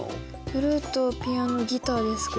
フルートピアノギターですかね。